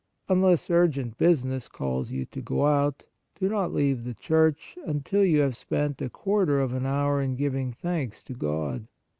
Unless urgent business calls you 88 Holy Communion to go out, do not leave the church until you have spent a quarter of an hour in giving thanks to God.